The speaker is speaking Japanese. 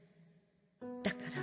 だから。